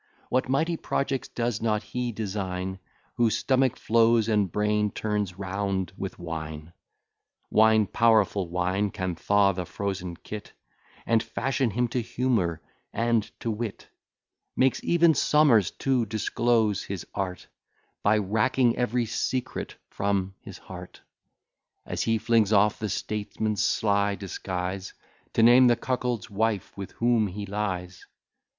What mighty projects does not he design, Whose stomach flows, and brain turns round with wine? Wine, powerful wine, can thaw the frozen cit, And fashion him to humour and to wit; Makes even Somers to disclose his art By racking every secret from his heart, As he flings off the statesman's sly disguise, To name the cuckold's wife with whom he lies.